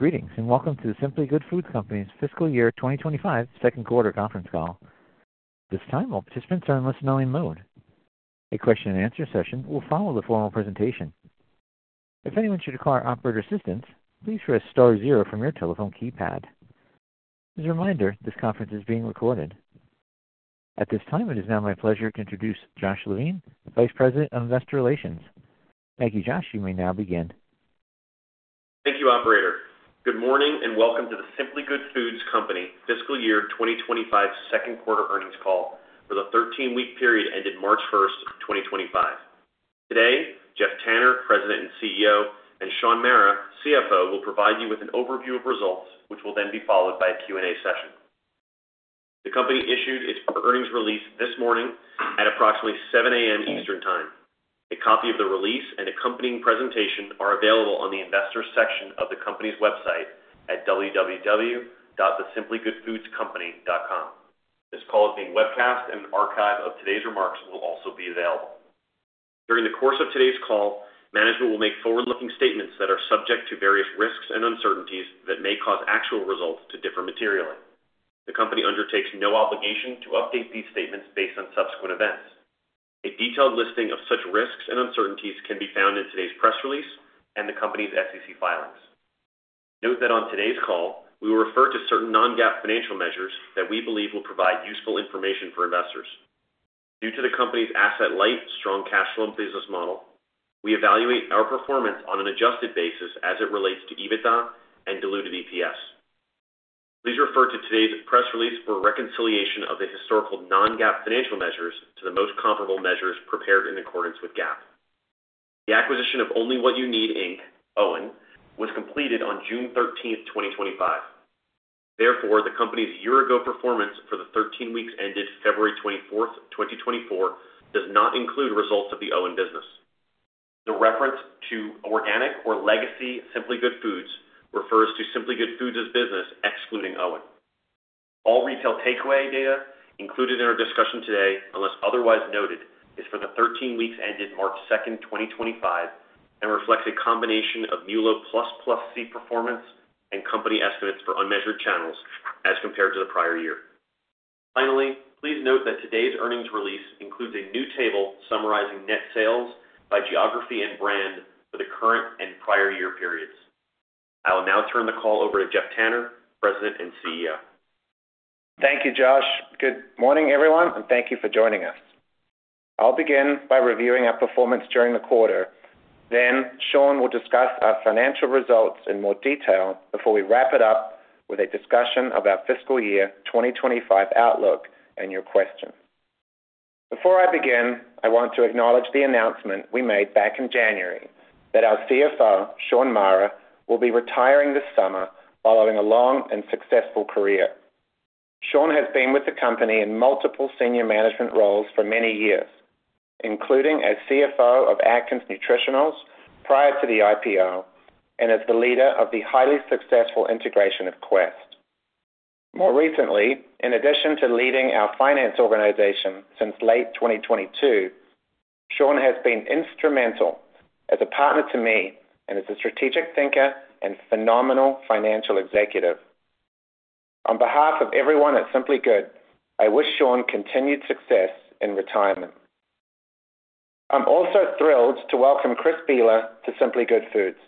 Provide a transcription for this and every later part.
Greetings and welcome to The Simply Good Foods Company's fiscal year 2025 second quarter conference call. At this time, all participants are in a listen-only mode. A question-and-answer session will follow the formal presentation. If anyone should require operator assistance, please press star zero from your telephone keypad. As a reminder, this conference is being recorded. At this time, it is now my pleasure to introduce Josh Levine, Vice President of Investor Relations. Thank you, Josh. You may now begin. Thank you, Operator. Good morning and welcome to The Simply Good Foods Company fiscal year 2025 second quarter earnings call for the 13-week period ended March 1st, 2025. Today, Geoff Tanner, President and CEO, and Shaun Mara, CFO, will provide you with an overview of results, which will then be followed by a Q&A session. The company issued its earnings release this morning at approximately 7:00 A.M. Eastern Time. A copy of the release and accompanying presentation are available on the investor section of the company's website at www.thesimplygoodfoodscompany.com. This call is being webcast, and an archive of today's remarks will also be available. During the course of today's call, management will make forward-looking statements that are subject to various risks and uncertainties that may cause actual results to differ materially. The company undertakes no obligation to update these statements based on subsequent events. A detailed listing of such risks and uncertainties can be found in today's press release and the company's SEC filings. Note that on today's call, we will refer to certain non-GAAP financial measures that we believe will provide useful information for investors. Due to the company's asset-light, strong cash flow and business model, we evaluate our performance on an adjusted basis as it relates to EBITDA and diluted EPS. Please refer to today's press release for reconciliation of the historical non-GAAP financial measures to the most comparable measures prepared in accordance with GAAP. The acquisition of Only What You Need, Inc., OWYN, was completed on June 13th, 2025. Therefore, the company's year-ago performance for the 13 weeks ended February 24th, 2024, does not include results of the OWYN business. The reference to organic or legacy Simply Good Foods refers to Simply Good Foods' business, excluding OWYN. All retail takeaway data included in our discussion today, unless otherwise noted, is for the 13 weeks ended March 2nd, 2025, and reflects a combination of MULO++C performance and company estimates for unmeasured channels as compared to the prior year. Finally, please note that today's earnings release includes a new table summarizing net sales by geography and brand for the current and prior year periods. I will now turn the call over to Geoff Tanner, President and CEO. Thank you, Josh. Good morning, everyone, and thank you for joining us. I'll begin by reviewing our performance during the quarter. Shaun will discuss our financial results in more detail before we wrap it up with a discussion of our fiscal year 2025 outlook and your questions. Before I begin, I want to acknowledge the announcement we made back in January that our CFO, Shaun Mara, will be retiring this summer following a long and successful career. Shaun has been with the company in multiple senior management roles for many years, including as CFO of Atkins Nutritionals prior to the IPO and as the leader of the highly successful integration of Quest. More recently, in addition to leading our finance organization since late 2022, Shaun has been instrumental as a partner to me and as a strategic thinker and phenomenal financial executive. On behalf of everyone at Simply Good, I wish Shaun continued success in retirement. I'm also thrilled to welcome Chris Behler to Simply Good Foods.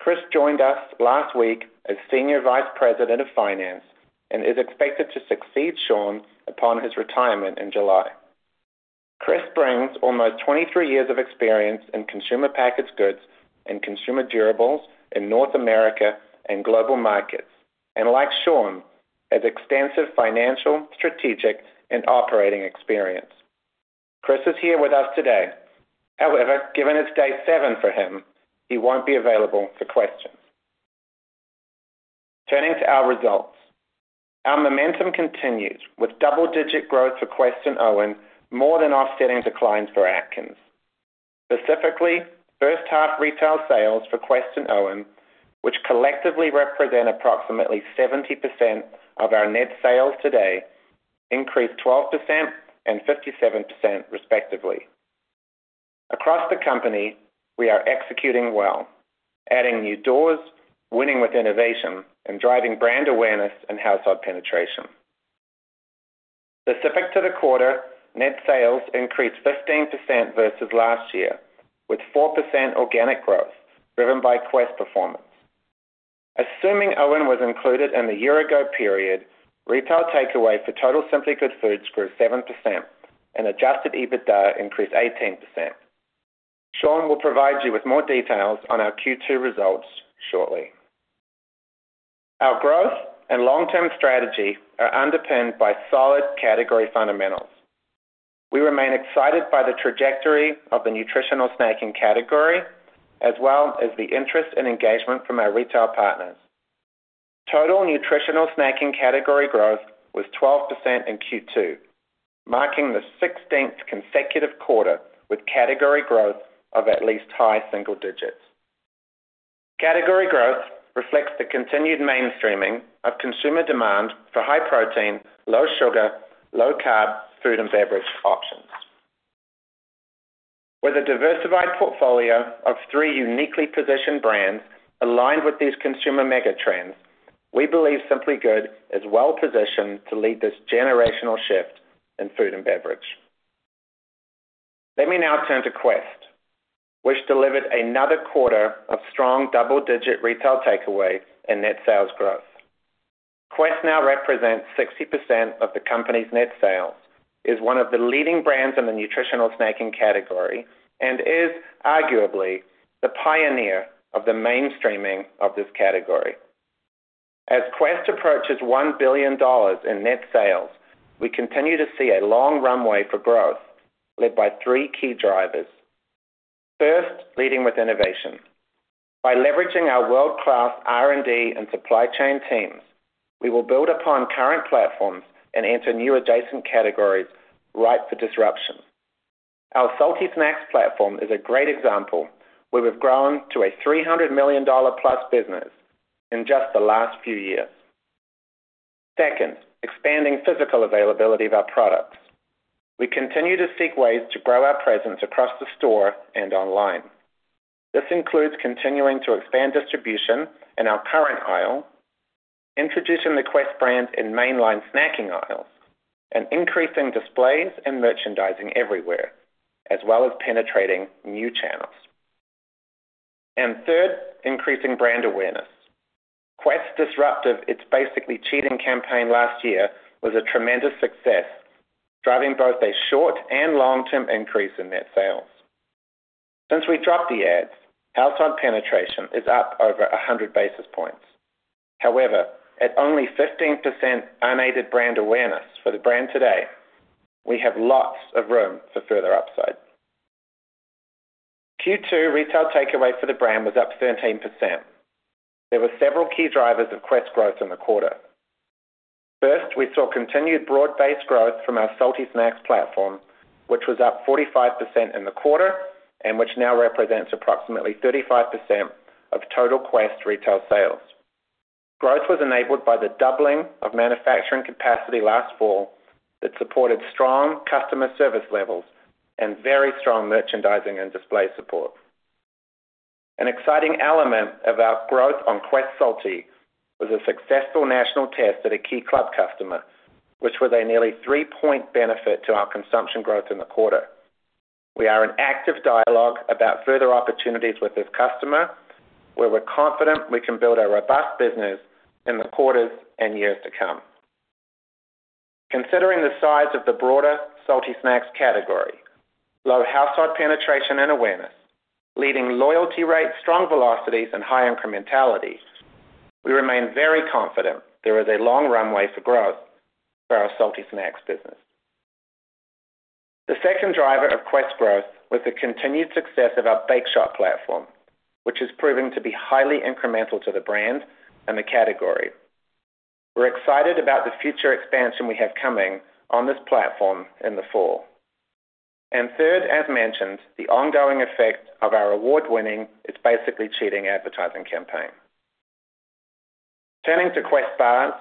Chris joined us last week as Senior Vice President of Finance and is expected to succeed Shaun upon his retirement in July. Chris brings almost 23 years of experience in consumer-packaged goods and consumer durables in North America and global markets and, like Shaun, has extensive financial, strategic, and operating experience. Chris is here with us today. However, given it's day seven for him, he won't be available for questions. Turning to our results, our momentum continues with double-digit growth for Quest and OWYN, more than offsetting declines for Atkins. Specifically, first-half retail sales for Quest and OWYN, which collectively represent approximately 70% of our net sales today, increased 12% and 57%, respectively. Across the company, we are executing well, adding new doors, winning with innovation, and driving brand awareness and household penetration. Specific to the quarter, net sales increased 15% versus last year, with 4% organic growth driven by Quest performance. Assuming OWYN was included in the year-ago period, retail takeaway for total Simply Good Foods grew 7%, and adjusted EBITDA increased 18%. Shaun will provide you with more details on our Q2 results shortly. Our growth and long-term strategy are underpinned by solid category fundamentals. We remain excited by the trajectory of the nutritional snacking category, as well as the interest and engagement from our retail partners. Total nutritional snacking category growth was 12% in Q2, marking the 16th consecutive quarter with category growth of at least high single digits. Category growth reflects the continued mainstreaming of consumer demand for high-protein, low-sugar, low-carb food and beverage options. With a diversified portfolio of three uniquely positioned brands aligned with these consumer megatrends, we believe Simply Good is well-positioned to lead this generational shift in food and beverage. Let me now turn to Quest, which delivered another quarter of strong double-digit retail takeaway and net sales growth. Quest now represents 60% of the company's net sales, is one of the leading brands in the nutritional snacking category, and is arguably the pioneer of the mainstreaming of this category. As Quest approaches $1 billion in net sales, we continue to see a long runway for growth led by three key drivers. First, leading with innovation. By leveraging our world-class R&D and supply chain teams, we will build upon current platforms and enter new adjacent categories ripe for disruption. Our Salty Snacks platform is a great example where we've grown to a $300 million+ business in just the last few years. Second, expanding physical availability of our products. We continue to seek ways to grow our presence across the store and online. This includes continuing to expand distribution in our current aisle, introducing the Quest brand in mainline snacking aisles, and increasing displays and merchandising everywhere, as well as penetrating new channels. Third, increasing brand awareness. Quest's disruptive, It's Basically Cheating campaign last year was a tremendous success, driving both a short and long-term increase in net sales. Since we dropped the ads, household penetration is up over 100 basis points. However, at only 15% unaided brand awareness for the brand today, we have lots of room for further upside. Q2 retail takeaway for the brand was up 13%. There were several key drivers of Quest growth in the quarter. First, we saw continued broad-based growth from our Salty Snacks platform, which was up 45% in the quarter and which now represents approximately 35% of total Quest retail sales. Growth was enabled by the doubling of manufacturing capacity last fall that supported strong customer service levels and very strong merchandising and display support. An exciting element of our growth on Quest Salty was a successful national test at a key club customer, which was a nearly three-point benefit to our consumption growth in the quarter. We are in active dialogue about further opportunities with this customer, where we're confident we can build a robust business in the quarters and years to come. Considering the size of the broader Salty Snacks category, low household penetration and awareness, leading loyalty rates, strong velocities, and high incrementality, we remain very confident there is a long runway for growth for our Salty Snacks business. The second driver of Quest growth was the continued success of our Bake Shop platform, which is proving to be highly incremental to the brand and the category. We are excited about the future expansion we have coming on this platform in the fall. Third, as mentioned, the ongoing effect of our award-winning It's Basically Cheating advertising campaign. Turning to Quest bars,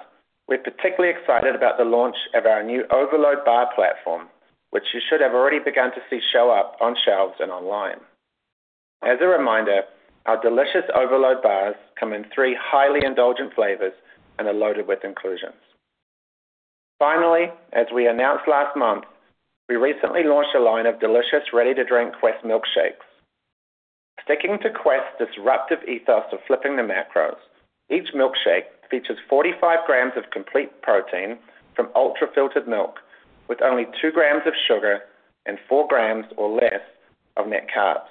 we are particularly excited about the launch of our new Overload bar platform, which you should have already begun to see show up on shelves and online. As a reminder, our delicious Overload bars come in three highly indulgent flavors and are loaded with inclusions. Finally, as we announced last month, we recently launched a line of delicious ready-to-drink Quest milkshakes. Sticking to Quest's disruptive ethos of flipping the macros, each milkshake features 45 grams of complete protein from ultra-filtered milk with only 2 g of sugar and 4 g or less of net carbs.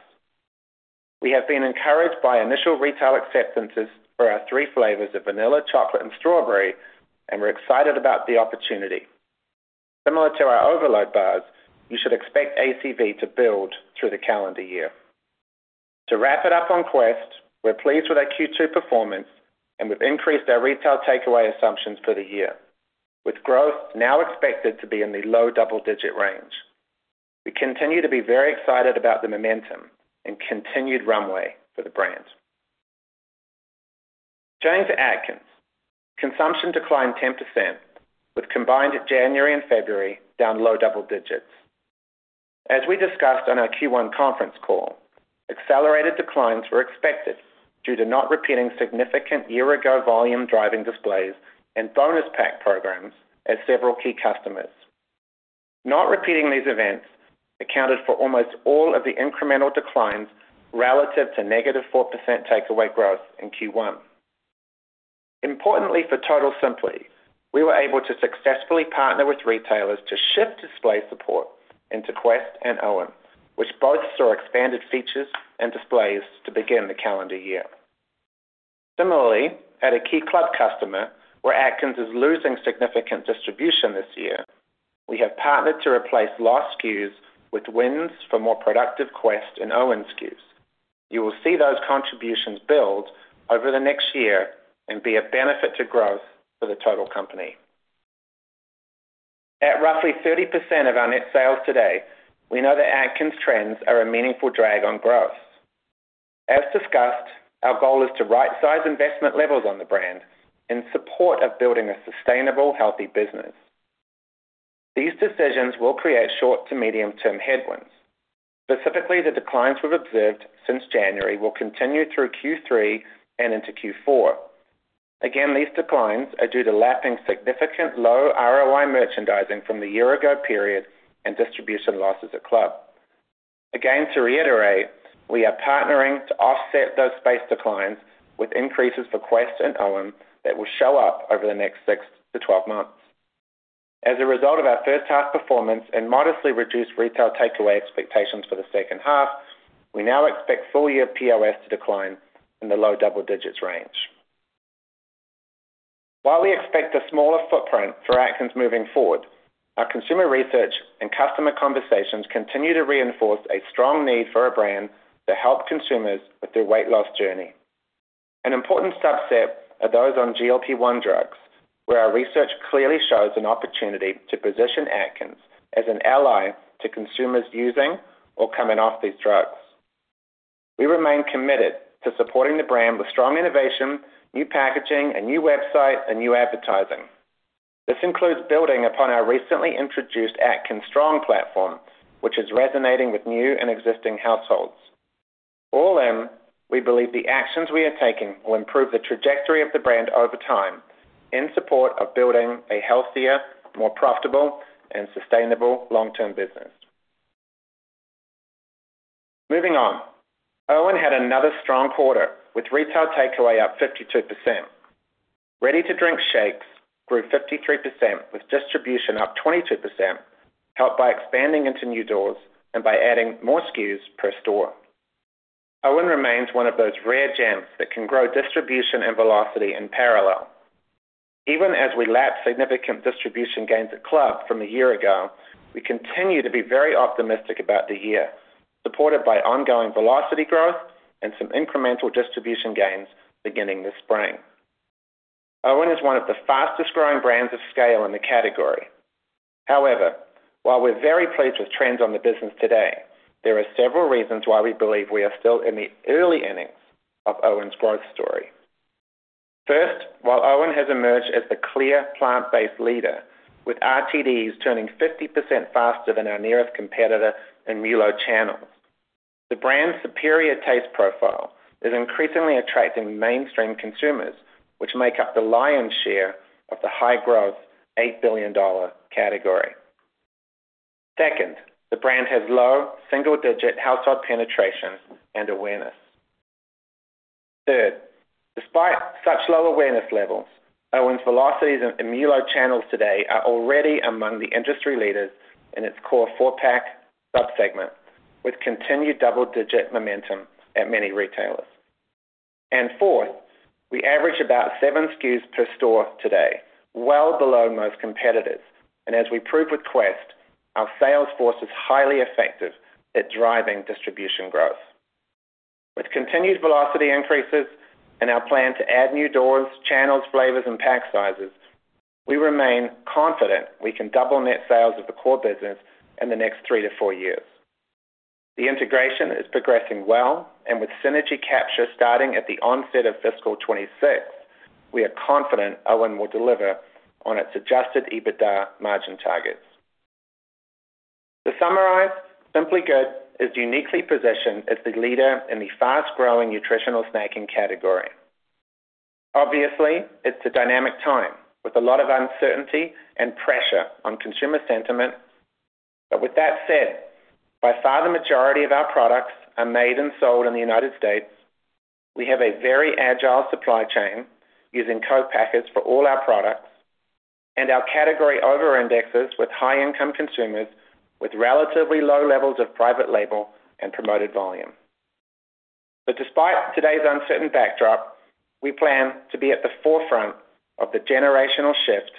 We have been encouraged by initial retail acceptances for our three flavors of vanilla, chocolate, and strawberry, and we're excited about the opportunity. Similar to our Overload bars, you should expect ACV to build through the calendar year. To wrap it up on Quest, we're pleased with our Q2 performance and we've increased our retail takeaway assumptions for the year, with growth now expected to be in the low double-digit range. We continue to be very excited about the momentum and continued runway for the brand. Turning to Atkins, consumption declined 10%, with combined January and February down low double digits. As we discussed on our Q1 conference call, accelerated declines were expected due to not repeating significant year-ago volume-driving displays and bonus pack programs at several key customers. Not repeating these events accounted for almost all of the incremental declines relative to -4% takeaway growth in Q1. Importantly for Total Simply, we were able to successfully partner with retailers to shift display support into Quest and OWYN, which both saw expanded features and displays to begin the calendar year. Similarly, at a key club customer, where Atkins is losing significant distribution this year, we have partnered to replace lost SKUs with wins for more productive Quest and OWYN SKUs. You will see those contributions build over the next year and be a benefit to growth for the total company. At roughly 30% of our net sales today, we know that Atkins trends are a meaningful drag on growth. As discussed, our goal is to right-size investment levels on the brand in support of building a sustainable, healthy business. These decisions will create short- to medium-term headwinds. Specifically, the declines we've observed since January will continue through Q3 and into Q4. Again, these declines are due to lapping significant low ROI merchandising from the year-ago period and distribution losses at club. Again, to reiterate, we are partnering to offset those space declines with increases for Quest and OWYN that will show up over the next 6 to 12 months. As a result of our first-half performance and modestly reduced retail takeaway expectations for the second half, we now expect full-year POS to decline in the low double-digits range. While we expect a smaller footprint for Atkins moving forward, our consumer research and customer conversations continue to reinforce a strong need for a brand to help consumers with their weight loss journey. An important subset are those on GLP-1 drugs, where our research clearly shows an opportunity to position Atkins as an ally to consumers using or coming off these drugs. We remain committed to supporting the brand with strong innovation, new packaging, a new website, and new advertising. This includes building upon our recently introduced Atkins Strong platform, which is resonating with new and existing households. All in, we believe the actions we are taking will improve the trajectory of the brand over time in support of building a healthier, more profitable, and sustainable long-term business. Moving on, OWYN had another strong quarter with retail takeaway up 52%. Ready-to-drink shakes grew 53%, with distribution up 22%, helped by expanding into new doors and by adding more SKUs per store. OWYN remains one of those rare gems that can grow distribution and velocity in parallel. Even as we lap significant distribution gains at club from a year ago, we continue to be very optimistic about the year, supported by ongoing velocity growth and some incremental distribution gains beginning this spring. OWYN is one of the fastest-growing brands of scale in the category. However, while we're very pleased with trends on the business today, there are several reasons why we believe we are still in the early innings of OWYN's growth story. First, while OWYN has emerged as the clear plant-based leader, with RTDs turning 50% faster than our nearest competitor in MULO channels, the brand's superior taste profile is increasingly attracting mainstream consumers, which make up the lion's share of the high-growth $8 billion category. Second, the brand has low single-digit household penetration and awareness. Third, despite such low awareness levels, OWYN's velocities in MULO channels today are already among the industry leaders in its core four-pack subsegment, with continued double-digit momentum at many retailers. Fourth, we average about seven SKUs per store today, well below most competitors. As we proved with Quest, our sales force is highly effective at driving distribution growth. With continued velocity increases and our plan to add new doors, channels, flavors, and pack sizes, we remain confident we can double net sales of the core business in the next three to four years. The integration is progressing well, and with synergy capture starting at the onset of fiscal 2026, we are confident OWYN will deliver on its adjusted EBITDA margin targets. To summarize, Simply Good is uniquely positioned as the leader in the fast-growing nutritional snacking category. Obviously, it's a dynamic time with a lot of uncertainty and pressure on consumer sentiment. That said, by far the majority of our products are made and sold in the United States. We have a very agile supply chain using co-packers for all our products and our category over-indexes with high-income consumers with relatively low levels of private label and promoted volume. Despite today's uncertain backdrop, we plan to be at the forefront of the generational shift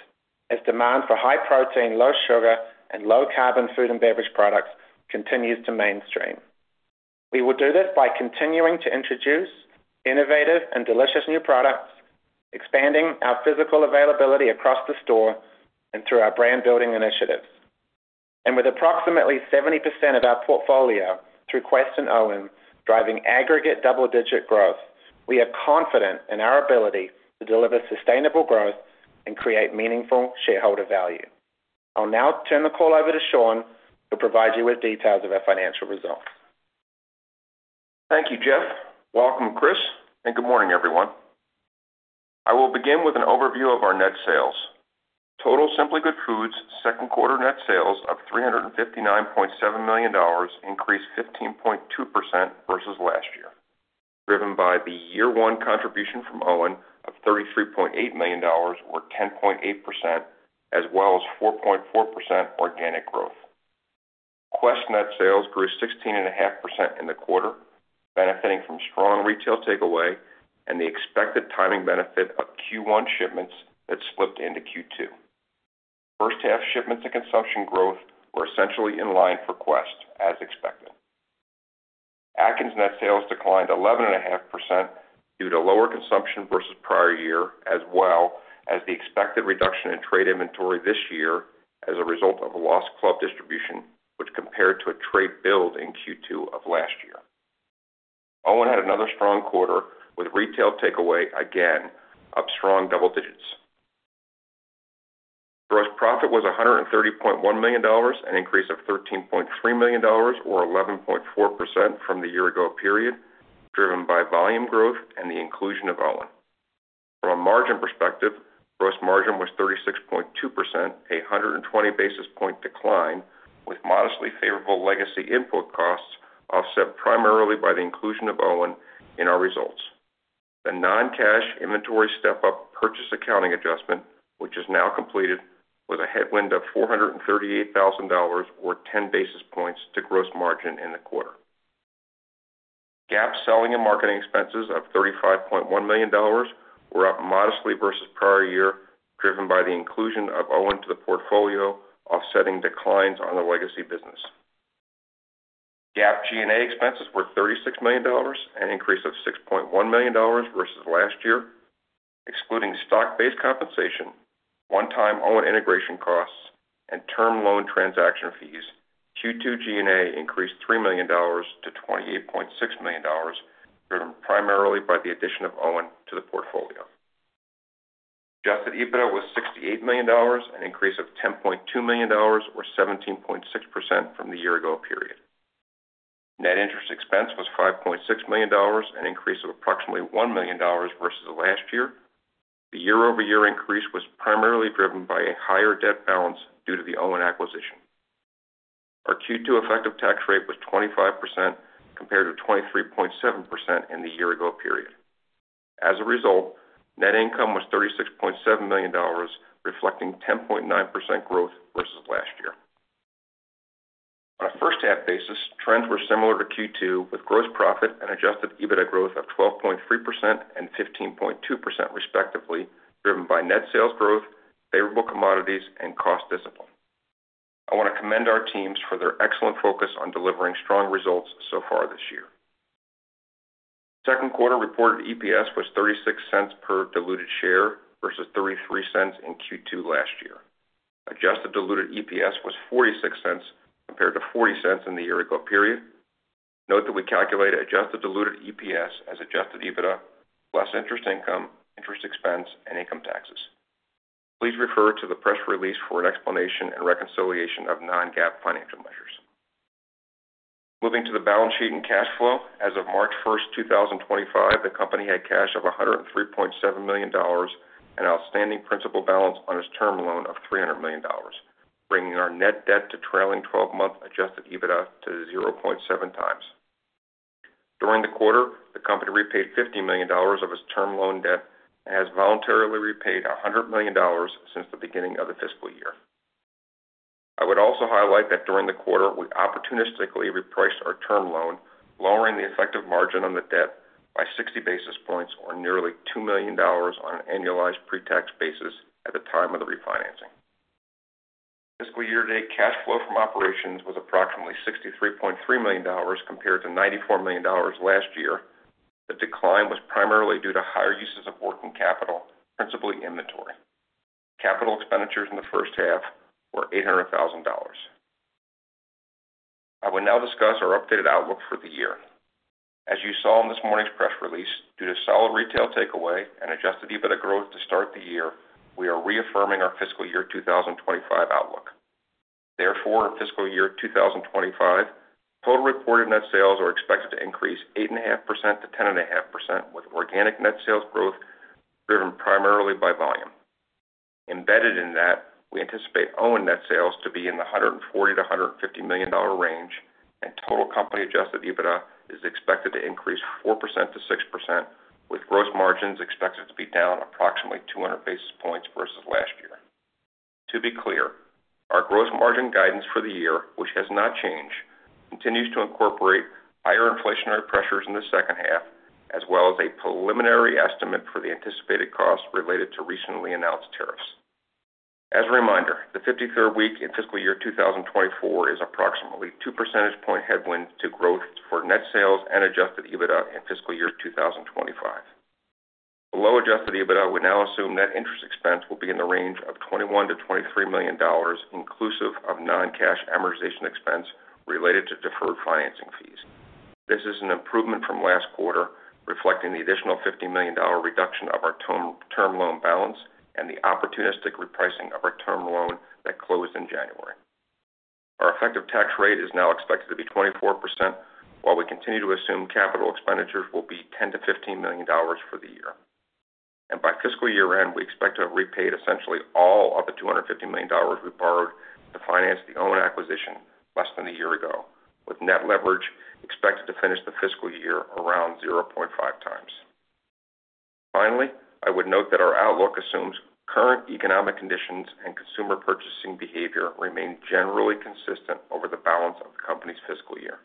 as demand for high-protein, low-sugar, and low-carb food and beverage products continues to mainstream. We will do this by continuing to introduce innovative and delicious new products, expanding our physical availability across the store and through our brand-building initiatives. With approximately 70% of our portfolio through Quest and OWYN driving aggregate double-digit growth, we are confident in our ability to deliver sustainable growth and create meaningful shareholder value. I'll now turn the call over to Shaun, who will provide you with details of our financial results. Thank you, Geoff. Welcome, Chris, and good morning, everyone. I will begin with an overview of our net sales. Total Simply Good Foods' second-quarter net sales of $359.7 million increased 15.2% versus last year, driven by the year-one contribution from OWYN of $33.8 million, or 10.8%, as well as 4.4% organic growth. Quest net sales grew 16.5% in the quarter, benefiting from strong retail takeaway and the expected timing benefit of Q1 shipments that slipped into Q2. First-half shipments and consumption growth were essentially in line for Quest, as expected. Atkins net sales declined 11.5% due to lower consumption versus prior year, as well as the expected reduction in trade inventory this year as a result of a lost club distribution, which compared to a trade build in Q2 of last year. OWYN had another strong quarter with retail takeaway again up strong double digits. Gross profit was $130.1 million, an increase of $13.3 million, or 11.4% from the year-ago period, driven by volume growth and the inclusion of OWYN. From a margin perspective, gross margin was 36.2%, a 120 basis point decline, with modestly favorable legacy input costs offset primarily by the inclusion of OWYN in our results. The non-cash inventory step-up purchase accounting adjustment, which is now completed, was a headwind of $438,000, or 10 basis points to gross margin in the quarter. GAAP selling and marketing expenses of $35.1 million were up modestly versus prior year, driven by the inclusion of OWYN to the portfolio, offsetting declines on the legacy business. GAAP G&A expenses were $36 million, an increase of $6.1 million versus last year. Excluding stock-based compensation, one-time OWYN integration costs, and term loan transaction fees, Q2 G&A increased $3 million to $28.6 million, driven primarily by the addition of OWYN to the portfolio. Adjusted EBITDA was $68 million, an increase of $10.2 million, or 17.6% from the year-ago period. Net interest expense was $5.6 million, an increase of approximately $1 million versus last year. The year-over-year increase was primarily driven by a higher debt balance due to the OWYN acquisition. Our Q2 effective tax rate was 25% compared to 23.7% in the year-ago period. As a result, net income was $36.7 million, reflecting 10.9% growth versus last year. On a first-half basis, trends were similar to Q2, with gross profit and adjusted EBITDA growth of 12.3% and 15.2%, respectively, driven by net sales growth, favorable commodities, and cost discipline. I want to commend our teams for their excellent focus on delivering strong results so far this year. Second quarter reported EPS was $0.36 per diluted share versus $0.33 in Q2 last year. Adjusted diluted EPS was $0.46 compared to $0.40 in the year-ago period. Note that we calculated adjusted diluted EPS as adjusted EBITDA, less interest income, interest expense, and income taxes. Please refer to the press release for an explanation and reconciliation of non-GAAP financial measures. Moving to the balance sheet and cash flow, as of March 1st, 2025, the company had cash of $103.7 million and outstanding principal balance on its term loan of $300 million, bringing our net debt to trailing 12-month adjusted EBITDA to 0.7x. During the quarter, the company repaid $50 million of its term loan debt and has voluntarily repaid $100 million since the beginning of the fiscal year. I would also highlight that during the quarter, we opportunistically repriced our term loan, lowering the effective margin on the debt by 60 basis points, or nearly $2 million on an annualized pre-tax basis at the time of the refinancing. Fiscal year-to-date cash flow from operations was approximately $63.3 million compared to $94 million last year. The decline was primarily due to higher uses of working capital, principally inventory. Capital expenditures in the first half were $800,000. I will now discuss our updated outlook for the year. As you saw in this morning's press release, due to solid retail takeaway and adjusted EBITDA growth to start the year, we are reaffirming our fiscal year 2025 outlook. Therefore, in fiscal year 2025, total reported net sales are expected to increase 8.5%-10.5%, with organic net sales growth driven primarily by volume. Embedded in that, we anticipate OWYN net sales to be in the $140 million-$150 million range, and total company adjusted EBITDA is expected to increase 4%-6%, with gross margins expected to be down approximately 200 basis points versus last year. To be clear, our gross margin guidance for the year, which has not changed, continues to incorporate higher inflationary pressures in the second half, as well as a preliminary estimate for the anticipated costs related to recently announced tariffs. As a reminder, the 53rd week in fiscal year 2024 is approximately 2 percentage point headwinds to growth for net sales and adjusted EBITDA in fiscal year 2025. Below adjusted EBITDA, we now assume net interest expense will be in the range of $21 million-$23 million, inclusive of non-cash amortization expense related to deferred financing fees. This is an improvement from last quarter, reflecting the additional $50 million reduction of our term loan balance and the opportunistic repricing of our term loan that closed in January. Our effective tax rate is now expected to be 24%, while we continue to assume capital expenditures will be $10 million-$15 million for the year. By fiscal year-end, we expect to have repaid essentially all of the $250 million we borrowed to finance the OWYN acquisition less than a year ago, with net leverage expected to finish the fiscal year around 0.5x. Finally, I would note that our outlook assumes current economic conditions and consumer purchasing behavior remain generally consistent over the balance of the company's fiscal year.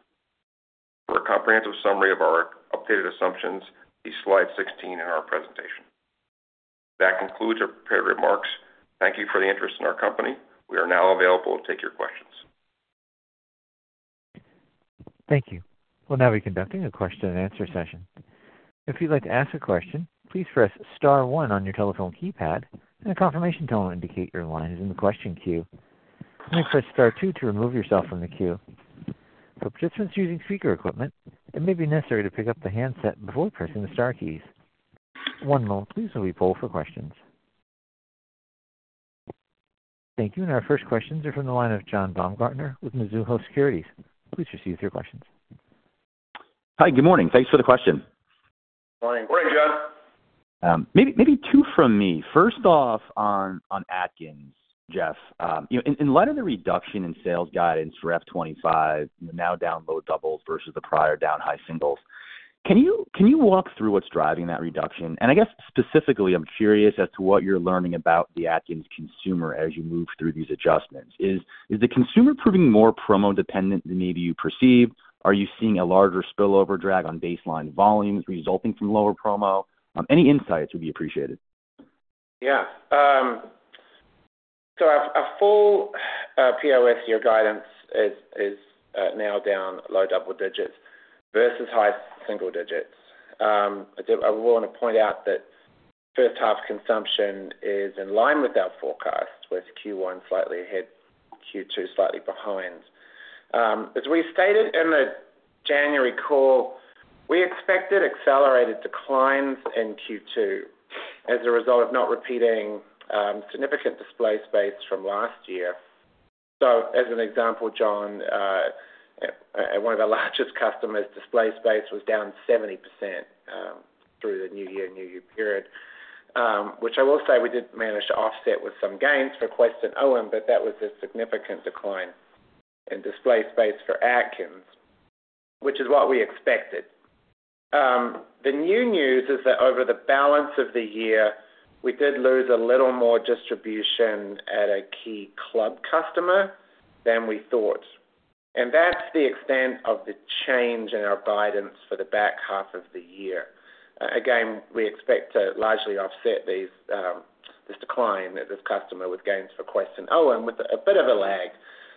For a comprehensive summary of our updated assumptions, see slide 16 in our presentation. That concludes our prepared remarks. Thank you for the interest in our company. We are now available to take your questions. Thank you. We'll now be conducting a question-and-answer session. If you'd like to ask a question, please press star one on your telephone keypad, and a confirmation tone will indicate your line is in the question queue. You may press star two to remove yourself from the queue. For participants using speaker equipment, it may be necessary to pick up the handset before pressing the star keys. One moment, please, while we poll for questions. Thank you. Our first questions are from the line of John Baumgartner with Mizuho Securities. Please proceed with your questions. Hi, good morning. Thanks for the question. Morning. Morning, John. Maybe two from me. First off, on Atkins, Geoff, in light of the reduction in sales guidance for FY 2025, now down low doubles versus the prior down high singles, can you walk through what's driving that reduction? I guess specifically, I'm curious as to what you're learning about the Atkins consumer as you move through these adjustments. Is the consumer proving more promo-dependent than maybe you perceived? Are you seeing a larger spillover drag on baseline volumes resulting from lower promo? Any insights would be appreciated. Yeah. Our full POS year guidance is nailed down low double digits versus high single digits. I want to point out that first-half consumption is in line with our forecast, with Q1 slightly ahead, Q2 slightly behind. As we stated in the January call, we expected accelerated declines in Q2 as a result of not repeating significant display space from last year. As an example, John, one of our largest customers, display space was down 70% through the new year-new-year period, which I will say we did manage to offset with some gains for Quest and OWYN, but that was a significant decline in display space for Atkins, which is what we expected. The new news is that over the balance of the year, we did lose a little more distribution at a key club customer than we thought. That is the extent of the change in our guidance for the back half of the year. Again, we expect to largely offset this decline at this customer with gains for Quest and OWYN with a bit of a lag,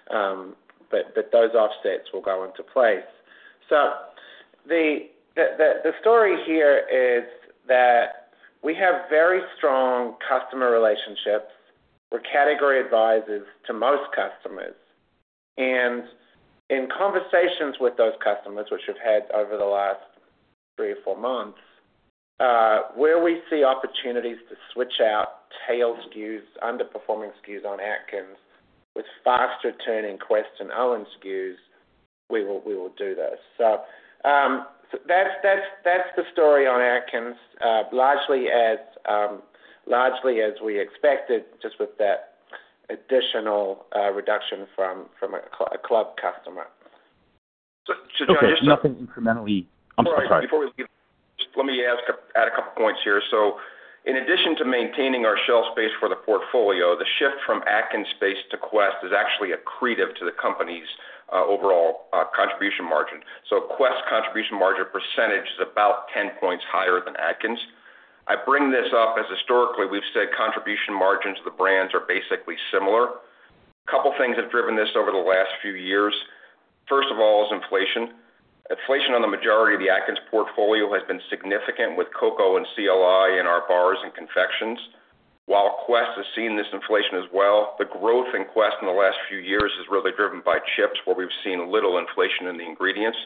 but those offsets will go into place. The story here is that we have very strong customer relationships. We are category advisors to most customers. In conversations with those customers, which we have had over the last three or four months, where we see opportunities to switch out tailed SKUs, underperforming SKUs on Atkins with faster-turning Quest and OWYN SKUs, we will do this. That is the story on Atkins, largely as we expected, just with that additional reduction from a club customer. John, just to—I'm sorry. Before we leave, let me add a couple of points here. In addition to maintaining our shelf space for the portfolio, the shift from Atkins space to Quest is actually accretive to the company's overall contribution margin. Quest contribution margin percentage is about 10 points higher than Atkins. I bring this up as historically, we've said contribution margins of the brands are basically similar. A couple of things have driven this over the last few years. First of all is inflation. Inflation on the majority of the Atkins portfolio has been significant with cocoa and CLI and our bars and confections. While Quest has seen this inflation as well, the growth in Quest in the last few years is really driven by chips, where we've seen little inflation in the ingredients.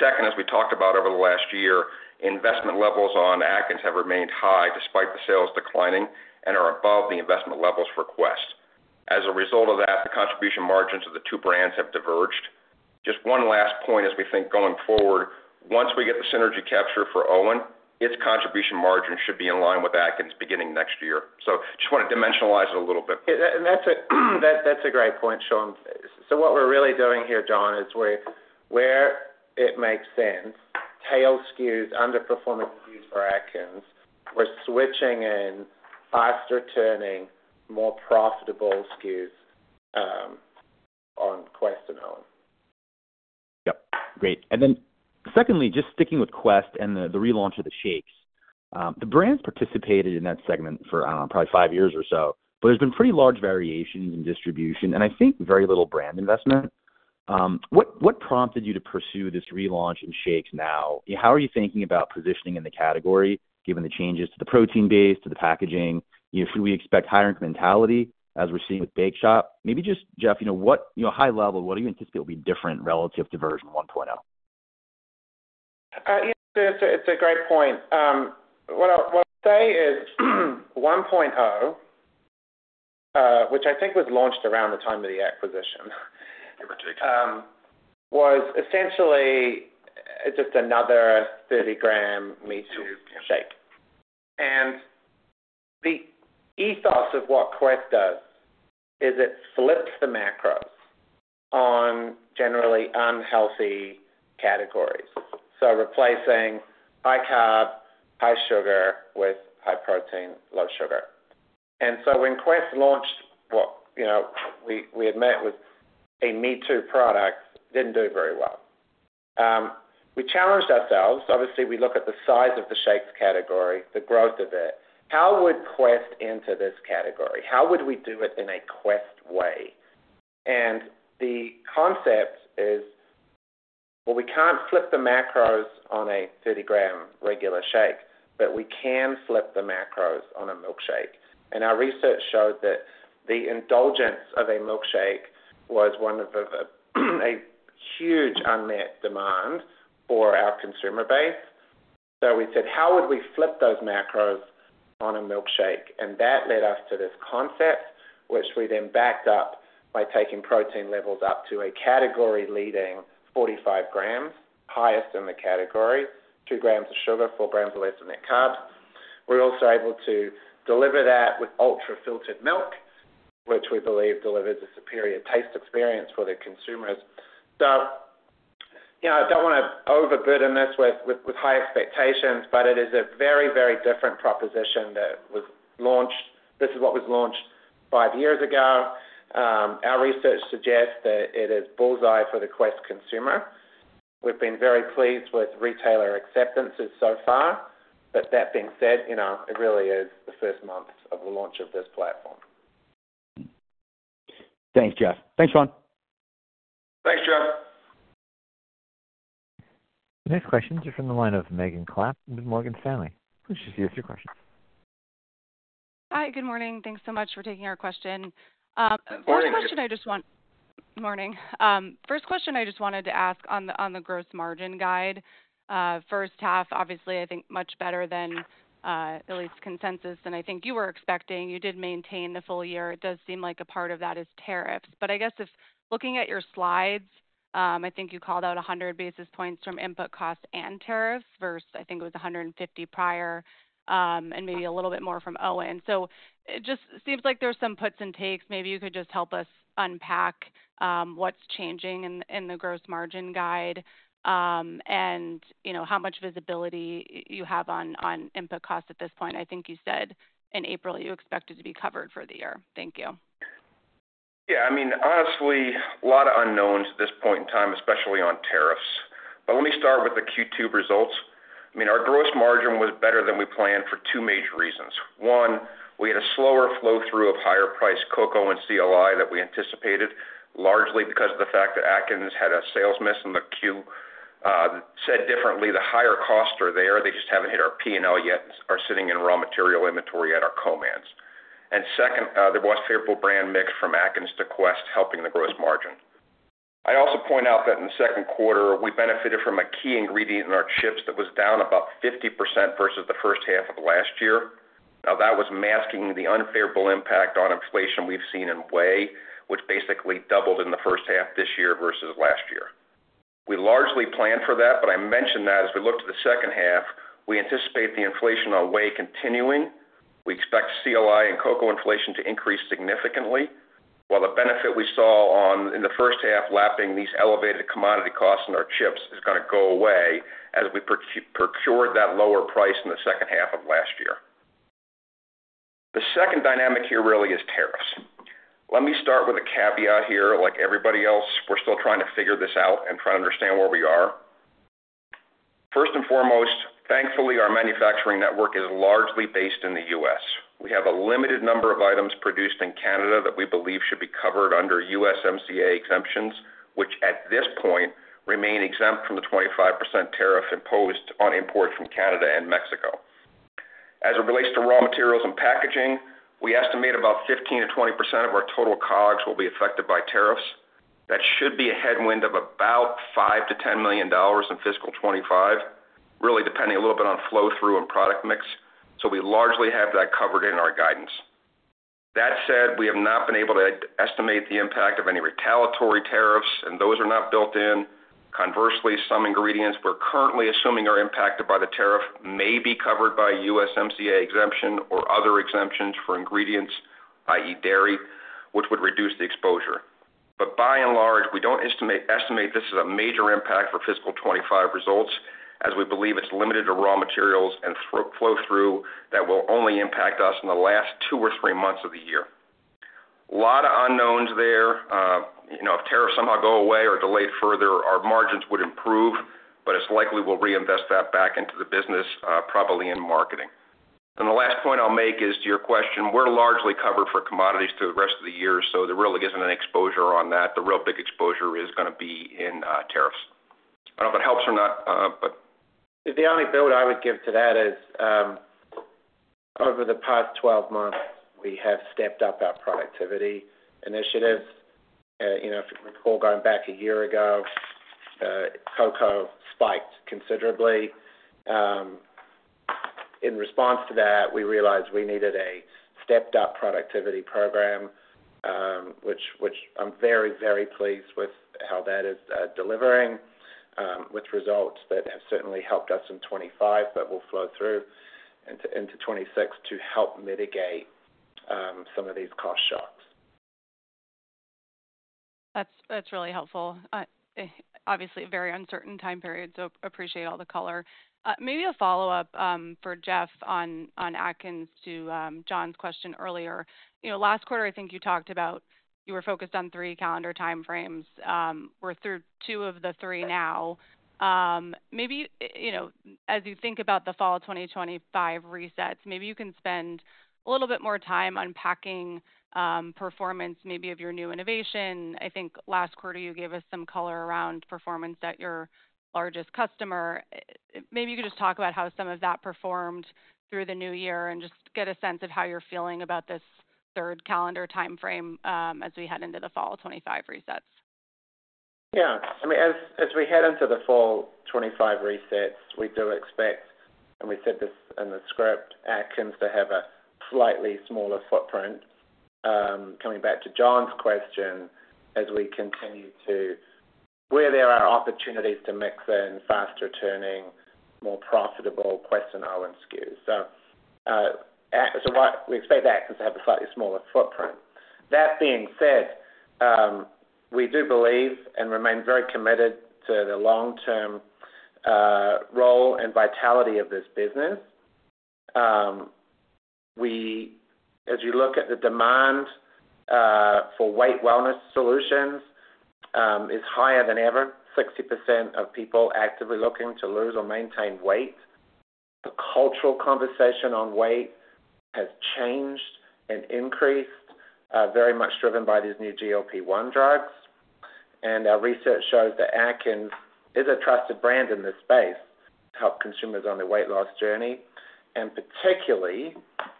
Second, as we talked about over the last year, investment levels on Atkins have remained high despite the sales declining and are above the investment levels for Quest. As a result of that, the contribution margins of the two brands have diverged. Just one last point as we think going forward, once we get the synergy capture for OWYN, its contribution margin should be in line with Atkins beginning next year. I just want to dimensionalize it a little bit. That is a great point, Shaun. What we are really doing here, John, is where it makes sense, tailed SKUs, underperforming SKUs for Atkins, we are switching in faster-turning, more profitable SKUs on Quest and OWYN. Yep. Great. Secondly, just sticking with Quest and the relaunch of the shakes, the brand's participated in that segment for probably five years or so, but there's been pretty large variations in distribution and I think very little brand investment. What prompted you to pursue this relaunch in shakes now? How are you thinking about positioning in the category given the changes to the protein base, to the packaging? Should we expect higher mentality as we're seeing with Bake Shop? Maybe just, Geoff, high level, what do you anticipate will be different relative to version 1.0? It's a great point. What I'll say is 1.0, which I think was launched around the time of the acquisition, was essentially just another 30 g meat shake. And the ethos of what Quest does is it flips the macros on generally unhealthy categories. So replacing high carb, high sugar with high protein, low sugar. When Quest launched what we had met with a meat product, it did not do very well. We challenged ourselves. Obviously, we look at the size of the shakes category, the growth of it. How would Quest enter this category? How would we do it in a Quest way? The concept is, we cannot flip the macros on a 30 g regular shake, but we can flip the macros on a milkshake. Our research showed that the indulgence of a milkshake was one of a huge unmet demand for our consumer base. We said, how would we flip those macros on a milkshake? That led us to this concept, which we then backed up by taking protein levels up to a category-leading 45 g, highest in the category, 2 g of sugar, 4 g or less in net carbs. We're also able to deliver that with ultra-filtered milk, which we believe delivers a superior taste experience for the consumers. I don't want to overburden this with high expectations, but it is a very, very different proposition that was launched. This is what was launched five years ago. Our research suggests that it is bullseye for the Quest consumer. We've been very pleased with retailer acceptances so far. That being said, it really is the first month of the launch of this platform. Thanks, Geoff. Thanks, Shaun. Thanks, John. Next question is from the line of Megan Clapp with Morgan Stanley. Please just use your questions. Hi, good morning. Thanks so much for taking our question. First question I just want— Morning. Morning. First question I just wanted to ask on the gross margin guide. First half, obviously, I think much better than at least consensus. I think you were expecting you did maintain the full year. It does seem like a part of that is tariffs. If looking at your slides, I think you called out 100 basis points from input costs and tariffs versus I think it was 150 prior and maybe a little bit more from OWYN. It just seems like there's some puts and takes. Maybe you could just help us unpack what's changing in the gross margin guide and how much visibility you have on input costs at this point. I think you said in April you expected to be covered for the year. Thank you. Yeah. I mean, honestly, a lot of unknowns at this point in time, especially on tariffs. Let me start with the Q2 results. I mean, our gross margin was better than we planned for two major reasons. One, we had a slower flow-through of higher-priced cocoa and CLI than we anticipated, largely because of the fact that Atkins had a sales miss in the quarter. Said differently, the higher costs are there. They just have not hit our P&L yet and are sitting in raw material inventory at our co-man's. Second, there was favorable brand mix from Atkins to Quest helping the gross margin. I also point out that in the second quarter, we benefited from a key ingredient in our chips that was down about 50% versus the first half of last year. That was masking the unfavorable impact on inflation we have seen in whey, which basically doubled in the first half this year versus last year. We largely planned for that, but I mention that as we look to the second half, we anticipate the inflation on whey continuing. We expect CLI and cocoa inflation to increase significantly, while the benefit we saw in the first half lapping these elevated commodity costs in our chips is going to go away as we procured that lower price in the second half of last year. The second dynamic here really is tariffs. Let me start with a caveat here. Like everybody else, we're still trying to figure this out and try to understand where we are. First and foremost, thankfully, our manufacturing network is largely based in the U.S. We have a limited number of items produced in Canada that we believe should be covered under USMCA exemptions, which at this point remain exempt from the 25% tariff imposed on imports from Canada and Mexico. As it relates to raw materials and packaging, we estimate about 15%-20% of our total cogs will be affected by tariffs. That should be a headwind of about $5 million-$10 million in fiscal 2025, really depending a little bit on flow-through and product mix. We largely have that covered in our guidance. That said, we have not been able to estimate the impact of any retaliatory tariffs, and those are not built in. Conversely, some ingredients we're currently assuming are impacted by the tariff may be covered by USMCA exemption or other exemptions for ingredients, i.e., dairy, which would reduce the exposure. By and large, we do not estimate this as a major impact for fiscal 2025 results as we believe it is limited to raw materials and flow-through that will only impact us in the last two or three months of the year. A lot of unknowns there. If tariffs somehow go away or are delayed further, our margins would improve, but it's likely we'll reinvest that back into the business, probably in marketing. The last point I'll make is to your question, we're largely covered for commodities through the rest of the year, so there really isn't an exposure on that. The real big exposure is going to be in tariffs. I don't know if it helps or not, but the only build I would give to that is over the past 12 months, we have stepped up our productivity initiatives. If we recall going back a year ago, cocoa spiked considerably. In response to that, we realized we needed a stepped-up productivity program, which I'm very, very pleased with how that is delivering, with results that have certainly helped us in 2025, but will flow through into 2026 to help mitigate some of these cost shocks. That's really helpful. Obviously, a very uncertain time period, so appreciate all the color. Maybe a follow-up for Geoff on Atkins to John's question earlier. Last quarter, I think you talked about you were focused on three calendar time frames. We're through two of the three now. Maybe as you think about the fall 2025 resets, maybe you can spend a little bit more time unpacking performance maybe of your new innovation. I think last quarter, you gave us some color around performance at your largest customer. Maybe you could just talk about how some of that performed through the new year and just get a sense of how you're feeling about this third calendar time frame as we head into the fall 2025 resets. Yeah. I mean, as we head into the fall 2025 resets, we do expect, and we said this in the script, Atkins to have a slightly smaller footprint. Coming back to John's question, as we continue to where there are opportunities to mix in faster-turning, more profitable Quest and OWYN SKUs. We expect Atkins to have a slightly smaller footprint. That being said, we do believe and remain very committed to the long-term role and vitality of this business. As you look at the demand for weight wellness solutions, it is higher than ever. 60% of people are actively looking to lose or maintain weight. The cultural conversation on weight has changed and increased, very much driven by these new GLP-1 drugs. Our research shows that Atkins is a trusted brand in this space to help consumers on their weight loss journey. Particularly,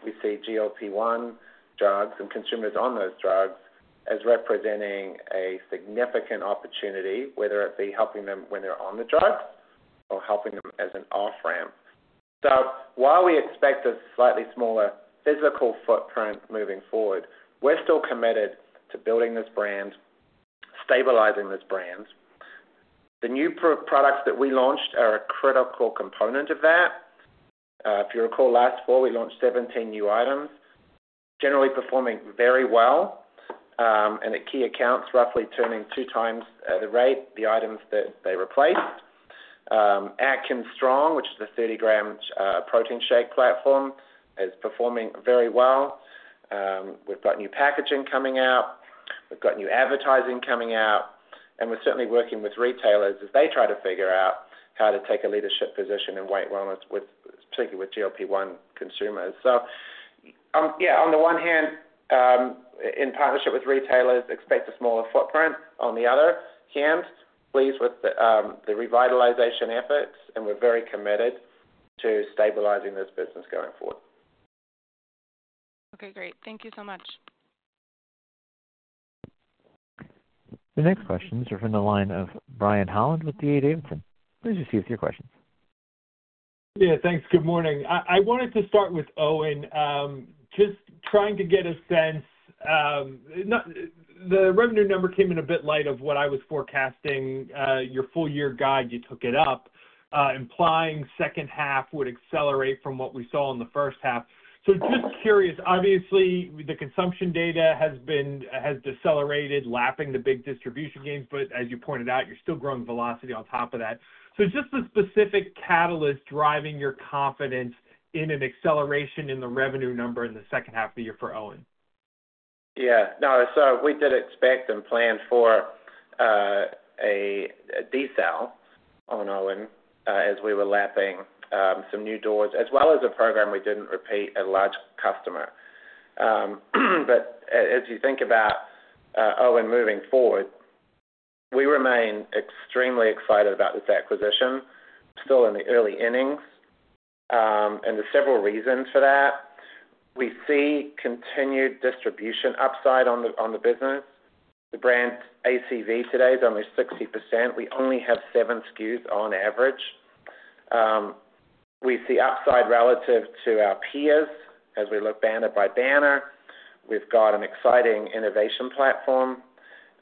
we see GLP-1 drugs and consumers on those drugs as representing a significant opportunity, whether it be helping them when they're on the drugs or helping them as an off-ramp. While we expect a slightly smaller physical footprint moving forward, we're still committed to building this brand, stabilizing this brand. The new products that we launched are a critical component of that. If you recall last fall, we launched 17 new items, generally performing very well. At key accounts, roughly turning two times the rate the items that they replaced. Atkins Strong, which is the 30 g protein shake platform, is performing very well. We've got new packaging coming out. We've got new advertising coming out. We're certainly working with retailers as they try to figure out how to take a leadership position in weight wellness, particularly with GLP-1 consumers. Yeah, on the one hand, in partnership with retailers, expect a smaller footprint. On the other hand, pleased with the revitalization efforts, and we're very committed to stabilizing this business going forward. Okay. Great. Thank you so much. The next questions are from the line of Brian Holland with D.A. Davidson. Please proceed with your questions. Yeah. Thanks. Good morning. I wanted to start with OWYN, just trying to get a sense. The revenue number came in a bit light of what I was forecasting. Your full-year guide, you took it up, implying second half would accelerate from what we saw in the first half. Just curious, obviously, the consumption data has decelerated, lapping the big distribution gains, but as you pointed out, you're still growing velocity on top of that. Just the specific catalyst driving your confidence in an acceleration in the revenue number in the second half of the year for OWYN? Yeah. No, we did expect and plan for a decel on OWYN as we were lapping some new doors, as well as a program we did not repeat at a large customer. As you think about OWYN moving forward, we remain extremely excited about this acquisition. We are still in the early innings, and there are several reasons for that. We see continued distribution upside on the business. The brand ACV today is only 60%. We only have seven SKUs on average. We see upside relative to our peers as we look banner by banner. We have got an exciting innovation platform,